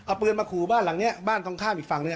เอาปืนมาขู่บ้านหลังเนี่ยบ้านต้องข้ามอีกฝั่งด้วย